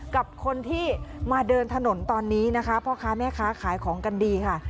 กับคนที่มาเดินถนนตอนนี้นะคะพ่อค้าแม่ค้าขายของกันดีค่ะ